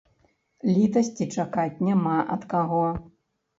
Літасці чакаць няма ад каго.